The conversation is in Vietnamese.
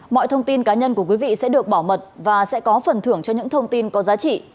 mọi thông tin cá nhân của quý vị sẽ được bảo mật và sẽ có phần thưởng cho những thông tin có giá trị